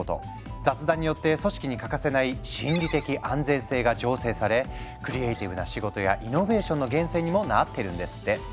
雑談によって組織に欠かせない「心理的安全性」が醸成されクリエイティブな仕事やイノベーションの源泉にもなってるんですって。